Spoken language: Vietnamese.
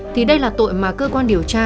thì đây là tội mà cơ quan điều tra